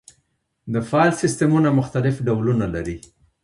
د فایل سیستمونه مختلف ډولونه لري.